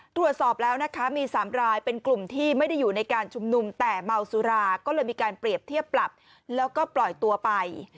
ตรวจสอบแล้วนะคะมี๓รายเป็นกลุ่มที่ไม่ได้อยู่ในการชุมนุมแต่เมาสุราก็เลยมีการเปรียบเทียบปรับแล้วก็ปล่อยตัวไป